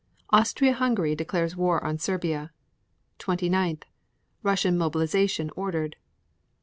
Austria Hungary declares war on Serbia. 29. Russian mobilization ordered.